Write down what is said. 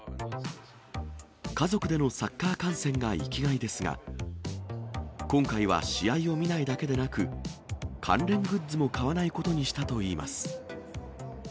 家族でのサッカー観戦が生きがいですが、今回は試合を見ないだけでなく、関連グッズも買わないことにしたといいます。